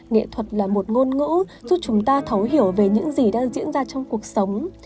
nghệ thuật là một ngôn ngữ giúp chúng ta thấu hiểu về những gì đang diễn ra trong cuộc sống